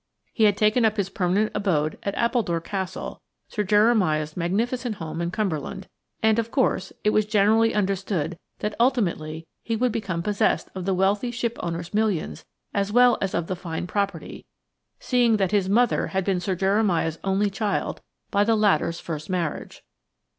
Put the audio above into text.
He had taken up his permanent abode at Appledore Castle, Sir Jeremiah's magnificent home in Cumberland, and, of course, it was generally understood that ultimately he would become possessed of the wealthy shipowner's millions as well as of the fine property, seeing that his mother had been Sir Jeremiah's only child by the latter's first marriage.